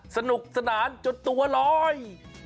สนุกสนานจนตัวลอย